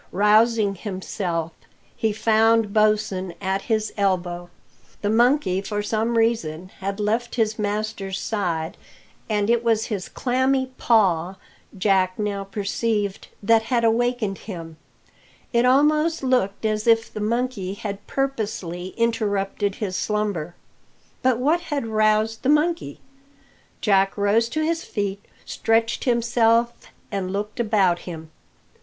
Rousing himself, he found Bosin at his elbow. The monkey for some reason had left his masters side, and it was his clammy paw, Jack now perceived, that had awakened him. It almost looked as if the monkey had purposely interrupted his slumber. But what had roused the monkey? Jack rose to his feet, stretched himself, and looked about him.